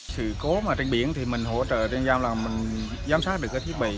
sự cố trên biển thì mình hỗ trợ trên giam là mình giám sát được cái thiết bị